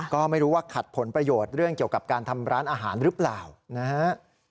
ก็ไม่รู้ว่าขัดผลประโยชน์เรื่องเกี่ยวกับการทำร้านอาหารหรือเปล่านะฮะ